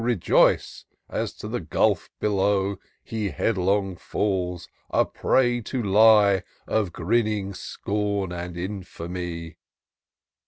Rejoice as to the gulph below He headlong falls — a prey to lie, Of grinning Scorn and Infamy.